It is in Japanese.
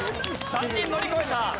３人乗り越えた。